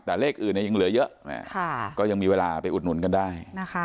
แต่เลขอื่นยังเหลือเยอะก็ยังมีเวลาไปอุดหนุนกันได้